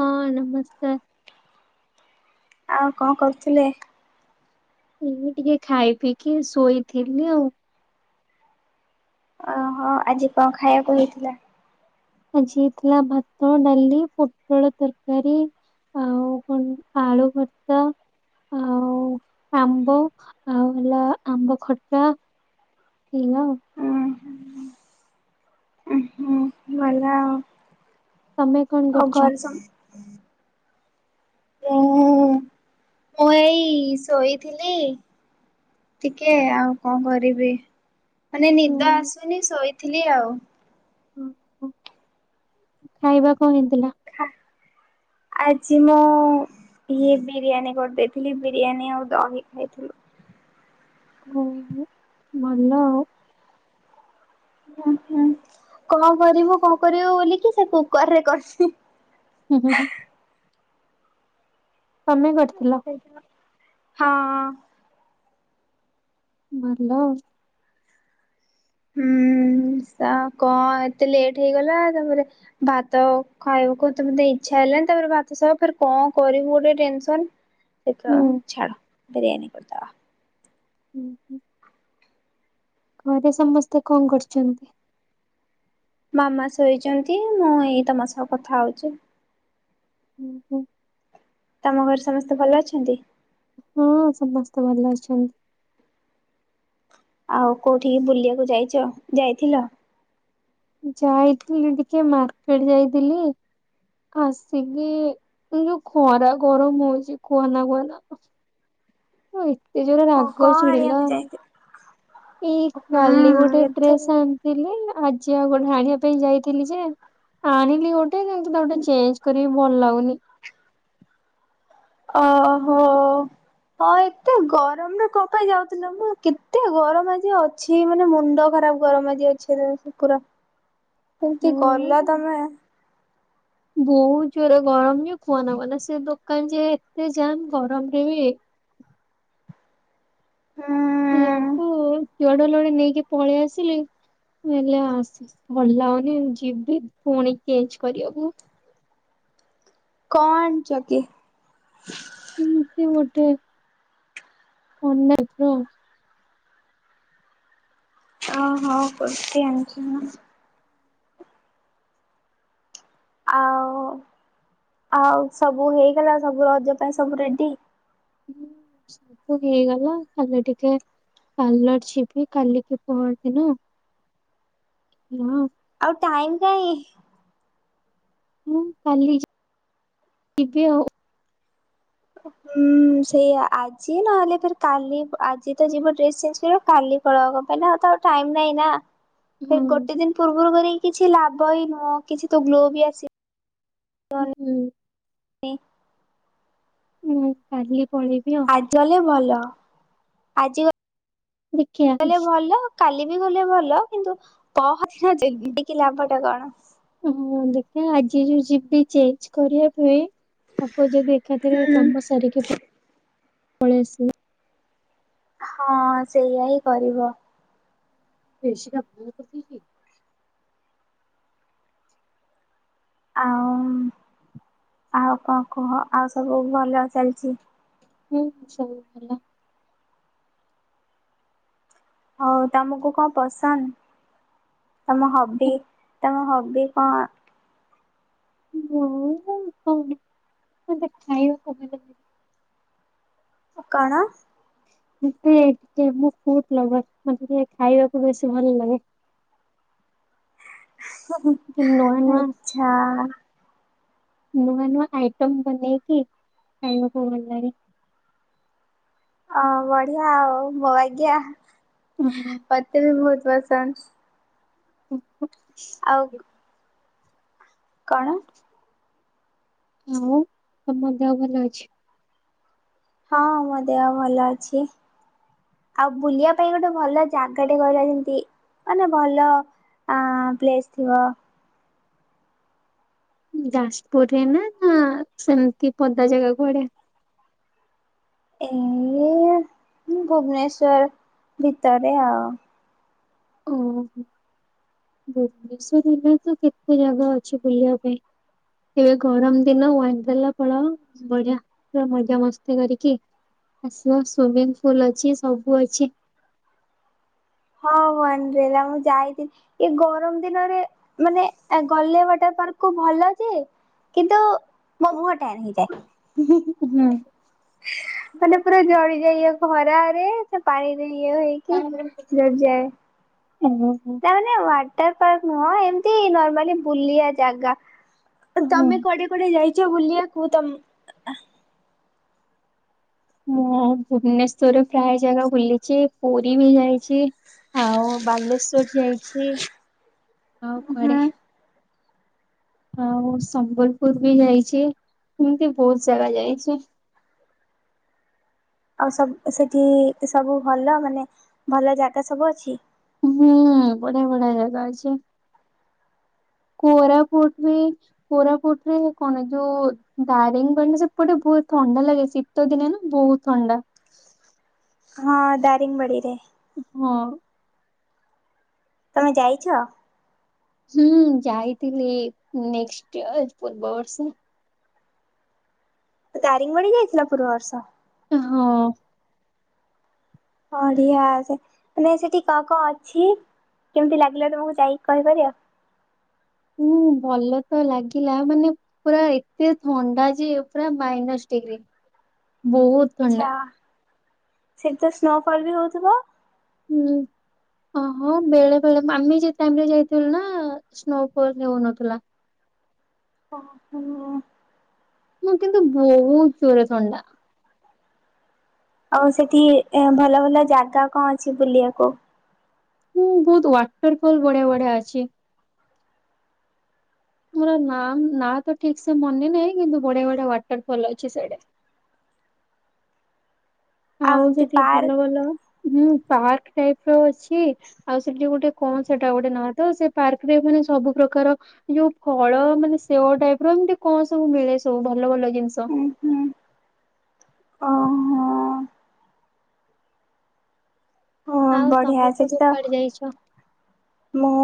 ହଁ ନମସ୍କାର। ଆଉ କଣ କରୁଥିଲେ? ଏଇ ଟିକେ ଖାଇ ପିଇକି ଶୋଇଥିଲି ଆଉ। ହଁ ଆଜି କଁ ଖାଇବାକୁ ହେଇଥିଲା? ଆଜି ହେଇଥିଲା ଭାତ, ଡ଼ାଲି, ପୋଟଳ ତରକାରୀ। ଆଉ କଣ ନି ଆଳୁ ଭର୍ତ୍ତା। ଆଉ ଆମ୍ବ ଆଉ ହେଲା ଆମ୍ବ ଖଟା। [unintelligible] ଉଁ ମାଡାମ। ତମେ। କଣ ଆଉ କରୁଛ? ଘର ସ [unintelligible] ମୁଁ ଏଇ ଶୋଇଥିଲି। ଟିକେ ଆଉ କଣ କରିବି ମାନେ ହୁଁ, ନିଦ ଆସୁନି ଶୋଇଥିଲି ଆଉ। ଓ ହୋ ଖାଇବା କଁ ହେଇଥିଲା? ଖା ଆଜି ମୁଁ ଇଏ ବିରିୟାନୀ କରିଦେଇଥିଲି ବିରିୟାନୀ ଆଉ ଦହି ଖାଇଥିଲୁ। ଓ ହୋ ଭଲ ଆଉ। କଣ କରିବୁ କଣ କରିବୁ ବୋଲିକି ସେ କୁକର ରେ କରିଛି। [unintelligible] ତମେ କରିଥିଲ? ହଁ। ଭଲ ଆଉ। ହୁଁ ସା କ ଏତେ ଲେଟ୍ ହେଇଗଲା ତାପରେ ଭାତ ଖାଇବାକୁ ତ ମତେ ଇଚ୍ଛା ହେଲାଣିି ତାପରେ ଭାତ ସବ ଫ କଣ କରିବୁ ଗୋଟେ ଟେନସନ। ସେ ହୁଁ। ତ ଛାଡ଼ ବିରିୟାନୀ କରିଦବା। ହୁଁ ହୁଁ। ଘରେ ସମସ୍ତେ କଣ କରୁଛନ୍ତି? ମାମା ଶୋଇଛନ୍ତି ମୁଁ ଏଇ ତମ ସହ କଥା ହଉଛି। ଉଁ ହୁଁ। ତମ ଘରେ ସମସ୍ତେ ଭଲ ଅଛନ୍ତି? ହଁ ସମସ୍ତେ ଭଲ ଅଛନ୍ତି। ଆଉ କୋଉଠିକି ବୁଲିବାକୁ ଯାଇଛ ଯାଇଥିଲ? ଯାଇଥିଲି ଟିକେ ମାର୍କେଟ ଯାଇଥିଲି। ଆସିକି ଏଇ ଯୋଉ ଖରା ଗରମ ହଉଛି କୁହନା କୁହନା। ଉଁ ଏତେ ଜୋର ଓ ରାଗ କଣ ଚିଡ଼ିଲା। ଆଣିବାକୁ ଯାଇଥିଲ ଏଇ କାଲି ଗୋଟେ ହୁଁ ଏତ ଡ୍ରେସ ଆଣିଥିଲି ଆଜି ଆଉ ଗୋଟେ ଆଣିବା ପାଇଁ ଯାଇଥିଲି ଯେ ଆଣିଲି ଗୋଟେ କିନ୍ତୁ ତାକୁ ଟିକେ ଚେଞ୍ଜ କରିବି ଭଲ ଲାଗୁନି। ଓହୋ। ହଁ ଏତେ ଗରମରେ କଁ ପାଇଁ ଯାଉଥିଲ ମ କେତେ ଗରମ ଆଜି। ଛି ମାନେ ମୁଣ୍ଡ ଖରାପ ଗରମ ଆଜି ରା ଅଛି ପୁରା। କେମିତି ଗଲ ତମେ। [unintelligible] ବହୁତ ଜୋରରେ ଗରମ ଯୋଉ କୁଅନା କୁଅନା ସେ ଦୋକାନ ଯେ ଏତେ ଯାମ୍ ଗରମରେ ବି। ହୁଁ। ଦି ଜଣଙ୍କୁ ଜଆଡେ ଆଡେ ନେଇକି ପଳେଇ ଆସିଲେ ହେଲେ ଆସି ଭଲ ଲାଗୁନି ଯିବି ପୁଣି ଚେଞ୍ଜ କରିବାକୁ। କଣ ଆଣଚ କି? ଏମିତି ଗୋଟେ ଅନଲାଇନ ରୁ। ଓହୋ କୁର୍ତି ଆଣିଚି। ଆଉ ଆଉ ସବୁ ହେଇଗଲା ସବୁ ରଜ ପାଇଁ ସବୁ ରେଡି। ହୁଁ ସବୁ ହେଇଗଲା ଖାଲି ଟିକେ ପାଲର ଯିବି କାଲିକି ପହର ଦିନ ହଁ। ଆଉ ଟାଇମ କାଇଁ? ମୁଁ କାଲି ଯିବି ଆଉ। ହୁଁ ସେୟା ଆଜି ନହେଲେ ଫ କାଲି ଆଜି ତ ଯିବ ଡ୍ରେସ୍ ଚେଞ୍ଜ କର କାଲି ପ [unintelligible] ତ ଆଉ ଟାଇମ ନାଇଁ ନା। ସେଇ ହଁ ଗୋଟେ ଦିନ ପୂର୍ବରୁ କରିକି କିଛି ଲାଭ ବିି ନୁହଁ କିଛି ତ ଗ୍ଲୋ ବି ଆସିବ। ହୁଁ ହୁଁ। ଇଁ। ହୁଁ କାଲି ପଳେଇବି ଆଉ। ତାହାଲେ ଭଲ ଆଜି ଦେଖିଆ ଗ ଲେ ଭଲ। କାଲି ବି ଗଲେ ଭଲ କିନ୍ତୁ ପହନା ଜ ଟିକି ଲାଭ ଟା କଣ। ହୁଁ ଦେଖିବା ଆଜି ଯୋଉ ଯିବି ଚେଞ୍ଜ କରିବା ପାଇଁ ହବ ଯଦି ଏକାଥରେ ହୁଁ। କାମ ସାରିକି ପଳେଇ ଆସିବ। ହଁ ସେଇଆା ହିଁ କରିବ। ରିଷିକା ଭୁଁ କରିଦେଇଚି କି? ଆଉ ଆଉ କଣ କୁହ ଆଉ ସବୁ ଭଲ ଚାଲିଚି? ହୁଁ ସବୁ ଭଲ। ହଉ ତମକୁ କଣ ପସନ୍ଦ? ତମ ହବି ତମ ହବି କଣ? ମୁଁ କଣ ମତେ ଖାଇବାକୁ ଭଲ ଲାଗେ। ଓ କଣ? ମୁ ଟିକେ ଟିକେ ଫୂଡ଼ ଲଭର। ମତେ ଟିକେ ଖାଇବାକୁ ବେଶି ଭଲ ଲାଗେ। ଟିକେ ନୂଆ ନୂଆ ଆଚ୍ଛା। ନୂଆ ନୂଆ ଆଇଟମ ବନେଇକି ଖାଇବାକୁ ଭଲ ଲାଗେ। ଅ ବଢିଆ ଆଉ ମୋ ବାଗିଆ ହଁ ମତେ ବି ବହୁତ ପସନ୍ଦ। [inaudible] ଆଉ କଣ? ଆଉ ତମ ଦେହ ଭଲ ଅଛି? ହଁ ମୋ ଦେହ ଭଲ ଅଛି। ଆଉ ବୁଲିବା ପାଇଁ ଗୋଟେ ଭଲ ଜାଗାଟେ କହିଲ ଯେମତି ମାନେ ଭଲ ଆଁ ପ୍ଲେସ ଥିବ। ଯାଜପୁର ରେ ନା ନା ସେମିତି ପଦା ଜାଗା କୁଆଡେ? ଏ ଭୁବନେଶ୍ୱର ଭିତରେ ଆଉ। [inaudible] ଭୁବନେଶ୍ଵର ହେଲେ ତ କେତେ ଜାଗା ଅଛି ବୁଲିବା ପାଇଁ। ଏବେ ଗରମ ଦିନ ୱାଣ୍ଡେର୍ଲା ପଳାଅ। ବଢିଆ ପୁରା ମଜା ମସ୍ତି କରିକି ଆସିବ। ସୁଵଇମିଙ୍ଗ ପୁଲ ଅଛି ସବୁ ଅଛି। ହଁ ୱାଣ୍ଡରେଲା ମୁଁ ଯାଇଥିଲି। ଏ ଗରମ ଦିନରେ ମାନେ ଗଲେ ୱାଟର ପାର୍କ କୁ ଭଲ ଯେ କିନ୍ତୁ ମୋ ମୁହଁ ଟ୍ୟାନ ହେଇଯାଏ। ହୁଁ। ମାନେ ପୁରା ଜଳି ଯାଇ ଇ ଖରାରେ ସେ ପାଣିରେ ଇଏ ହେଇ ଓ ହୋ। ତା ମାନେ ୱାଟର ପାର୍କ ନୁହଁ ଏମିତି ନର୍ମାଲି ବୁଲିବା ଜାଗା ହଁ ତମେ କୁଆଡେ ତମେ କୁଆଡେ ଯାଇଛ ବୁଲିବାକୁ ତମ ମୁଁ ଭୁବନେଶ୍ଵରରେ ପ୍ରାୟ ଜାଗା ବୁଲିଛି ପୁରୀ ବି ଯାଇଛି। ଆଉ ବାଲେଶ୍ଵର ଯାଇଛି ଆଉ ହୁଁ କୁଆଡେ? ଆଉ ସମ୍ବଲପୁର ବି ଯାଇଛି ଏମିତି ବହୁତ ଜାଗା ଯାଇଛି। ଆଉ ସବୁ ସେଠି ସବୁ ଭଲ ମାନେ ଭଲ ଜାଗା ସବୁ ଅଛି? ହୁଁ ବଢିଆ ବଢିଆ ଜାଗା ଅଛି କୋରାପୁଟ ବି କୋରାପୁଟ ରେ କଣ ଯୋଉ ଦାରିଙ୍ଗ ବାଡ଼ି ସେପଟେ ବହୁତ ଥଣ୍ଡା ଲାଗେ ଶୀତ ଦିନେ ନା ବହୁତ ଥଣ୍ଡା। ହଁ ଦାରିଙ୍ଗ ବାଡ଼ିରେ। ହଁ। ତମେ ଯାଇଛ? ହୁଁ ଯାଇଥିଲି ନେକ୍ସଟ୍ ୟଅର ପୂର୍ବ ବର୍ଷ। ଦାରିଙ୍ଗବାଡ଼ି ଯାଇଥିଲ ପୂର୍ବ ବର୍ଷ? ହଁ। ବଢିଆ ସେ ମାନେ ସେଠି କ କଣ ଅଛି କେମିତି ଲାଗିଲା ତମକୁ ଯାଇକି କହିପାରିବ? ହୁଁ ଭଲ ତ ଲାଗିଲା ମାନେ ପୁରା ଏତେ ଥଣ୍ଡା ଯେ ପୁରା ମାଇନସ ଡିଗ୍ରୀ ବହୁତ୍। ଆଛା ସେଠି ତ ସ୍ନୋ ଫଲ ବି ହଉଥିବ? ହୁଁ। ଓହୋ ବେଳେ ବେଳେ ଆମେ ଯେ ଟାଇମିରେ ଯାଇଥିଲୁ ନା ସ୍ନୋଫଲ ହେଉନଥିଲା। ହ ହୁଁ। ମୁଁ କିନ୍ତୁ ବହୁତ ଜୋର ଥଣ୍ଡା। ଆଉ ସେଠି ଭଲ ଭଲ ଜାଗା କଣ ଅଛି ବୁଲିବାକୁ? ହୁଁ ବହୁତ ୱାଟର ଫଲ ବଢିଆ ବଢିଆ ଅଛି। ମୋର ନା ନାଁ ତ ଠିକ ସେ ମନେ ନାହିଁ କିନ୍ତୁ ବଢିଆ ବଢିଆ ୱାଟରଫଲ ଅଛି ସେଇଆଡେ। ଆଉ ଏମିତି ସେଠି ପାର୍କ ଭଲ ଭଲ ହଁ ପାର୍କ ଟାଇପର ଅଛି ଆଉ ସେଠି ଗୋଟେ କଣ ସେଟା ଗୋଟେ ନା ତ ସେ ପାର୍କ ରେ ମାନେ ସବୁ ପ୍ରକାର ଯୋଉ ଫଳ ମାନେ ସେଓ ଟାଇପ ର ଏମିତି କଣ ସବୁ ମିଳେ ସବୁ ଭଲ ଭଲ ଜିନିଷ। ଉଁ ହୁଁ ଓହୋ। ହଁ ଆଉ ବଢିଆ ତମେ ସେଠି ସବୁ ତ କୁଆଡେ ଯାଇଛ? ମୁଁ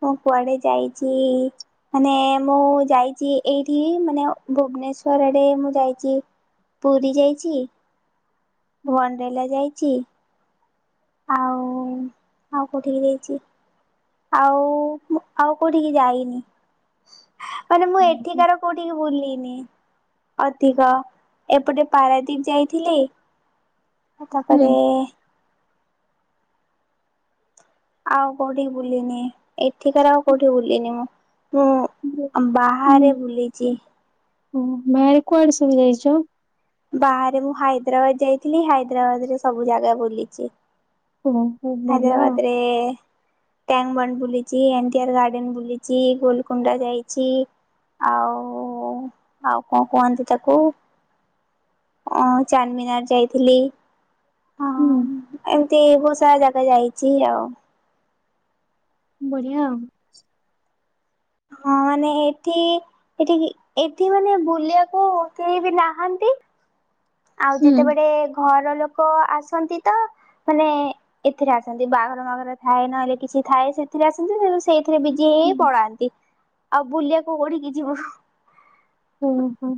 ମୁଁ କୁଆଡେ ଯାଇଛି? ମାନେ ମୁଁ ଯାଇଛି ଏଇଠି ମାନେ ଭୁବନେଶ୍ଵର ଆଡେ ମୁଁ ଯାଇଛି। ପୁରୀ ଯାଇଛି। ୱାଣ୍ଡେର୍ଲା ଯାଇଛି। ଆଉ ଆଉ କୋଉଠି କି ଯାଇଛି? ଆଉ ଆଉ କୋଉଠିକି ଯାଇନି ମାନେ ମୁଁ ଏଠିକାର କୋଉଠିକି ବୁଲିନି ଅଧିକ ଏପଟେ ପାରାଦୀପ ଯାଇଥିଲି। ହୁଁ। ତାପରେ ହୁଁ ଆଉ କୋଉଠିକି ବୁଲିିନି ଏଠିକାର ଆଉ କୋଉଠି ବୁଲିିନି ମୁଁ ମୁଁ ବାହାରେ ବୁଲିଛି। ଓ ବାହାରେ କୁଆଡେ ସବୁ ଯାଇଛ? ବାହାରେ ମୁଁ ହାଇଦ୍ରାବାଦ ଯାଇଥିଲି ହାଇଦ୍ରାବାଦ ରେ ସବୁ ଜାଗା ବୁଲିଛି। ଓହୋ ଭଲ ଆଉ ହାଇଦ୍ରବାଦରେ ଟ୍ୟାଙ୍କ ବଣ୍ଡ ବୁଲିଛି ଇଡେନ ଗାର୍ଡେନ ବୁଲିଛି ଗୋଲକୁଣ୍ଡା ଯାଇଛି। ଆଉ ଆଉ କଣ କୁହନ୍ତି ତାକୁ? ଅ ଚାନ୍ଦମିନାର ଯାଇଥିଲି। ହୁଁ। ଏମତି ବହୁତ ସାରା ଜାଗା ଯାଇଛି ଆଉ। ବଢିଆ ଆଉ। ହଁ ମାନେ ଏଠି ଏଠି ଏଠି ମାନେ ବୁଲିଆକୁ କେହି ବି ନାହାନ୍ତି। ଆଉ ହୁଁ। ଯେତେବେଡେ ଘର ଲୋକ ଆସନ୍ତି ତ ମାନେ ଏଥିରେ ଆସନ୍ତି ବାହାଘର ମାଘର ଥାଏ ନହେଲେ କିଛି ଥାଏ ସେଥିରେ ଆସନ୍ତି [unintelligible] ସେଇଥିରେ ବିଜି ଏଇଏଇ ପଳାନ୍ତି ଆଉ ବୁଲିଆକୁ କୋଠିକି ଯିବୁ। ଓ ହୋ।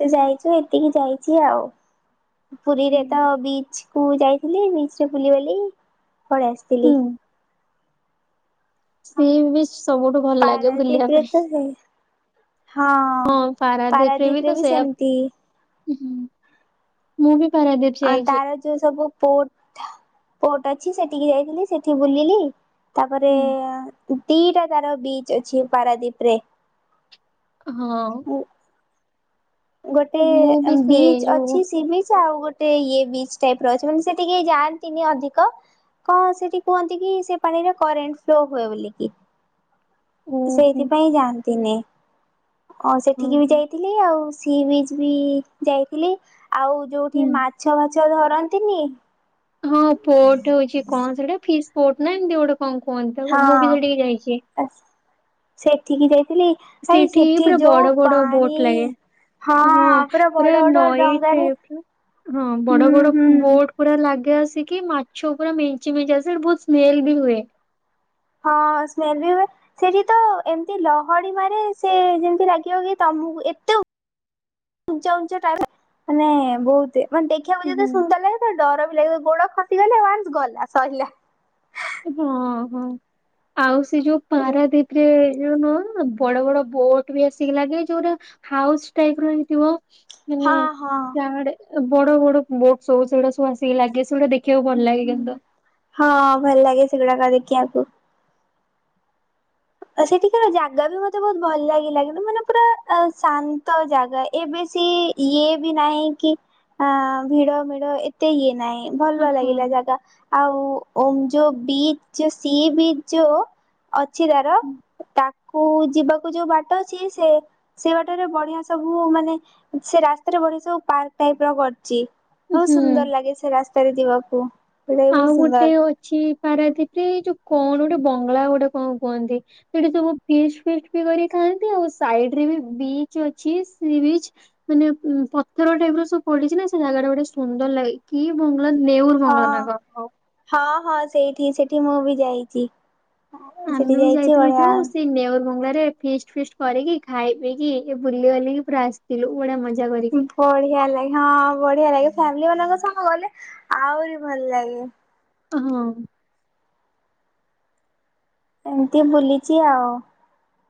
ତ ଯାଇଚୁ ଏତିକି ଯାଇଚି ଆଉ ପୁରୀରେ ତ ବିଚ୍। କୁ ଯାଇଥିଲି ବିଚ୍ ରେ ବୁଲିବାଲି ପଳେଇ ହୁଁ। ଆସିତିଲି। ସି ବିଚ୍ ସବୁଠୁ ଭଲ ଲାଗେ ବୁଲିଆ ପାରାଦୀପରେ ପାଇଁ। ତ ସେ ହଁ ହଁ ପାରାଦୀପ୍ ରେ ବି ସେମିତି। ଉଁହୁଁ ମୁଁ ବି ପାରାଦୀପ୍ ଯାଇଚି। ତାର ଯୋଉ ସବୁ ପୋର୍ଟ ପୋର୍ଟ ଅଛି ସେଟିକି ଯାଇଥିଲି ସେଠି ବୁଲିଲି। ତାପରେ ହୁଁ ଦିଟା ତାର ବିଚ୍ ଅଛି ପାରାଦୀପ୍ ରେ। ହଁ। ଗୋଟେ ମୁଁ ବି ସେ ବିଚ୍ ଯୋଉ ଅଛି ସି ବିଚ୍ ଆଉ ଗୋ ଟେ ଇଏ ବିଚ୍ ଟାଇପ୍ ର ଅଛି ମାନେ ସେଠି କେଇ ଯାଆନ୍ତିନି ଅଧିକ। କଁ ସେଠି କୁହନ୍ତି କି ସେ ପାଣିରେ କରେଣ୍ଟ୍ ଫ୍ଲୋ ହୁଏ ବୋଲିକି। ଓ ହୋ ସେଇଥିପାଇଁ ଯାଆନ୍ତିନି ଆଉ ଓ ସେଠିକି ବି ହୋ ଯାଇଥି ଲି ଆଉ ସି ବିଚ୍ ବି ଯାଇଥିଲି ଆଉ ଯୋଉଠି ହୁଁ ମାଛ ଭାଛ ଯୋଉ ଧରନ୍ତିନି। ହଁ ପୋର୍ଟ ଅଛି କଁ ସେଟା ଫିସ୍ ପୋର୍ଟ ନା ଏମତି ଗୋଟେ କଁ କୁହନ୍ତି ତାକୁ ମୁଁ ବି ସେଠିକି ଯାଇଚି। ଆସ୍ ସେଠିକି ଯାଇଥିଲି। ଭାଇ ସେଠି ପୁରା ଯୋଉ ବଡ ବଡ ପାଣି ବୋଟ ଲାଗେ। ହଁ ବଡ ପୁରା ବଡ ନଈ ଡଙ୍ଗାରେ ଟାଇପର ହଁ ବଡ ହୁଁ ବଡ ହୁଁ। ବୋଟ୍ ପୁରା ଲାଗେ ଆସିକି ମାଛ ପୁରା ମେଞ୍ଚେ ମେଞ୍ଚେ ଆସେ ବହୁତ୍ ସ୍ମେଲ ବି ହୁଏ। ହଁ ସ୍ମେଲ ବି ଉଏ। ସେଠି ତ ଏମତି ଲହଡି ମାରେ ସେ ଯେମିତି ଲାଗିବ କି ତମକୁ ଏତେ ଉଞ୍ଚା ଉଞ୍ଚା [unintelligible] ମାନେ ବହୁତୁ ଏ ମାନେ ଦେଖିଆକୁ ଯେତେ ହୁଁ ସୁନ୍ଦର ଲାଗେ ତା ଡର ବି ଲାଗେ ଗୋଡ ଖସିଗଲେ ୱାନ୍ସ୍ ଗଲା ସହିଲା। ହଁ ହଁ ଆଉ ସେ ଯୋଉ ପାରାଦୀପ୍ କ୍ରେ ଯଉ ନୁଅ ବଡ ବଡ ବୋଟ ବି ଆସିକି ଲାଗେ ଯୋଉରା ହାଉସ୍ ଟାଇପ୍ ର ହେଇଥିବ ମାନେ ହଁ ହଁ ଯା ବଡ ବଡ ବୋଟ ସବୁ ସେଗୁଡା ସବୁ ଆସିକି ଲାଗେ ସେଗୁଡା ଦେଖିଆକୁ ଭଲ ଲାଗେ କିନ୍ତୁ। ହଁ ଭଲ ଲାଗେ ସେଗୁଡାକ ଦେଖିଆକୁ। ଆ ସେଠିକାର ଜାଗା ବି ମତେ ବହୁତ୍ ଭଲ ଲାଗିଲା କିନ୍ତୁ ମାନେ ପୁରା ଆ ଶାନ୍ତ ଜାଗା ଏବେ ସି ଇଏ ବି ନାହିଁ କି ଆ ଭିଡ଼ ଭିଡ଼ ଏ ତେ ଇଏ ନାହିଁ ଭଲ ଓହୋ। ଲାଗିଲା ଜାଗା। ଆଉ ଓମ୍ ଯୋଉ ବିଚ୍ ଯୋଉ ସି ବିଚ୍ ଯୋଉ ଅଛି ତାର ତାକୁ ଯିବାକୁ ଯୋଉ ବାଟ ଅଛି ସେ ସେ ବାଟରେ ବଢିଆ ସବୁ ମାନେ ସେ ରାସ୍ତାରେ ବଢିଆ ସବୁ ପାର୍କ ଟାଇପ୍ ର କରିଚି। ବହୁ ସୁନ୍ଦର ହୁଁ ଲାଗେ ସେ ରାସ୍ତାରେ ଯିବାକୁ। ସେଇଟା ବି ଆଉ ବହୁତ ସୁନ୍ଦର ଗୋଟେ ଅଛି ପାରାଦୀପ୍ ରେ ଏଇ ଯୋଉ କଣ ଓଟେ ବଙ୍ଗଳା ଗୋଟେ କଁ କୁହନ୍ତି। ସେଠି ସବୁ ଫିଷ୍ଟି ଫିଷ୍ଟି ବି କରି ଖାଆନ୍ତି ଆଉ ସାଇଡ୍ ରେ ବି ବିଚ୍ ଅଛି ସି ବିଚ୍। ମାନେ ଉଁ ପଥର ଟାଇପ୍ ର ସବୁ ପଡିଚି ନା ସେ ଜାଗା ଟା ଗୋଟେ ସୁନ୍ଦର ଲାଏ। କି ବଙ୍ଗଳା ନେଉର୍ ହଁ। ବଙ୍ଗଳା ନା କଁ। ହଁ ହଁ ସେଇଠି ସେଠି ମୁଁ ବି ଯାଇଚି। ଆମେ ସେଠି ବି ଯାଇଛି ଯାଇଥିଲୁ ବଢିଆ ଯୋଉ ସେଇ ନେଉର୍ ବଙ୍ଗଲାରେ ଫିଷ୍ ଫିଷ୍ଟି କରିକି ଖାଇ ପିକି ବୁଲିବାଲିକି ପୁରା ଆସିତିଲୁ ବଢ଼ିଆ ମଜା କରିକି। ବଢିଆ ଲାଗେ ହଁ ବଢିଆ ଲାଗେ ଫ୍ୟାମିଲି ମାନଙ୍କ ସହ ଗଲେ ଆଉରି ଭଲ ଲାଗେ। ହଁ। ଏମିତି ବୁଲିଚି ଆଉ।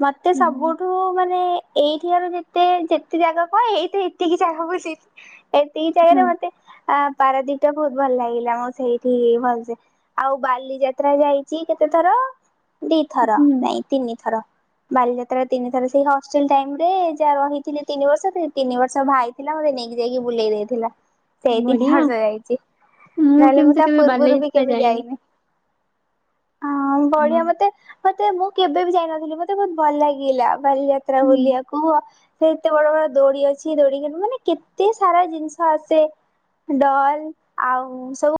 ମତେ ହୁଁ ସବୁଠୁ ମାନେ ଏଇଠିକାର ଯେତେ ଯେତେ ଜାଗା କଣ ଏଇତ ଏତିକି ଜାଗା ବୁଲି ଏତିକି ହଁ ଜାଗାରେ ମତେ ଆ ପାରାଦ୍ଵୀପଟା ବୋହୁତ ଭଲ ଲାଗିଲା। ମୁଁ ସେଇଠି ହି ଭଲସେ ଆଉ ବାଲି ଯାତ୍ରା ଯାଇଚି କେତେଥର ଦିଥର ହୁଁ ନାଇଁ ତିନିଥର। ବାଲିଯାତ୍ରା ତିନି ଥର ସେଇ ହଷ୍ଟେଲ ଟାଇମ୍ ରେ ଯାହା ରହିଥିଲି ତିନି ବର୍ଷ ସେଇ ତିନି ବର୍ଷ ଭାଇ ଥିଲା ମୋତେ ନେଇକି ଯାଇକି ବୁଲେଇ ଦେଇଥିଲା। ସେଇ ତିନି ବଢିଆ ଆଉ ବର୍ଷ ଯାଇଚି ନହେଲେ ମୁଁ କିନ୍ତୁ ତା କେବେ ପୂର୍ବରୁ ବି ବାଲିଯାତ୍ରା କେବେ ଯାଇନି। ହଁ ବଢିଆ ମ ତେ ମତେ ମୁଁ କେବେ ବି ଯାଇନଥିଲି ମତେ ବୋହୁତ ଭଲ ଲାଗିଲା ବାଲିଯାତ୍ରା ହୁଁ। ବୁଲିବାକୁ। ସେ ଏତେ ବଡ ବଡ ଦୋଳି ଅଛି। ଦୋଳି କିନ୍ତୁ ମାନେ କେତେ ସାରା ଜିନିଷ ଆସେ। ଡଲ୍ ଆଉ ସବୁ